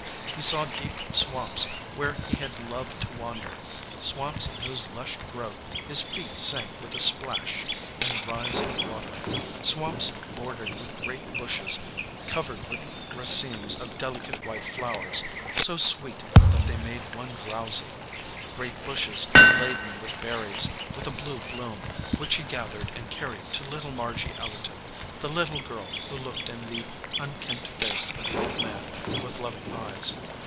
He saw deep swamps where he had loved to wander, swamps in whose lush growth his feet sank with a splash and rise of water, swamps bordered with great bushes coy 47 EDGEWATER PEOPLE ered with racemes of delicate white flowers, so sweet that they made one drowsy, great bushes laden with berries with a blue bloom, which he gathered and carried to little Margy Ellerton, the little girl who looked in the unkempt face of the old man with loving eyes.